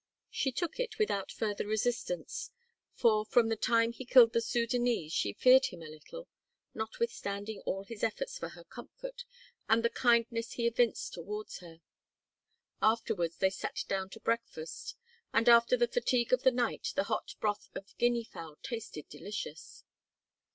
She took it without further resistance, for from the time he killed the Sudânese she feared him a little, notwithstanding all his efforts for her comfort and the kindness he evinced towards her. Afterwards they sat down to breakfast, and after the fatigue of the night, the hot broth of guinea fowl tasted delicious.